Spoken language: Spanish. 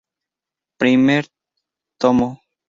Primer tomo.